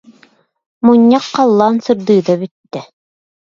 Мунньах халлаан сырдыыта бүттэ.